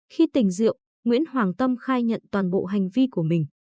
khi tình rượu nguyễn hoàng tâm khai nhận toàn bộ hành vi của mình